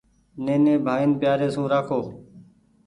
نيني ڀآئين پيآري سون رآکو ۔